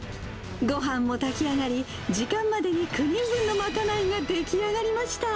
ごはんも炊き上がり、時間までに９人分の賄いが出来上がりました。